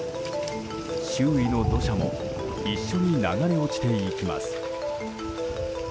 周囲の土砂も一緒に流れ落ちていきます。